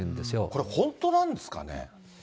これ本当なんですかね？